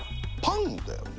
パンだよね